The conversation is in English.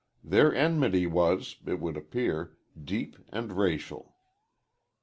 Their enmity was, it would appear, deep and racial.